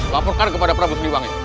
laporkan kepada prabu piliwangi